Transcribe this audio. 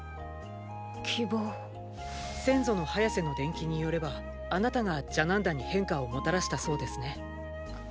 先祖のハヤセの伝記によればあなたがジャナンダに変化をもたらしたそうですね。